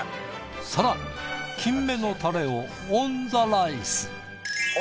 更にキンメのタレをオンザライス。